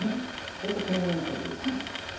大体このぐらいのサイズでいいと思います。